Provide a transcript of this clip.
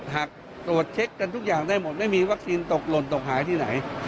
หากตรวจเช็คกันทุกอย่างได้หมดไม่มีวัคซีนตกหล่นตกหายที่ไหน